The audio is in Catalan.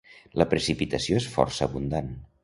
La precipitació és força abundant.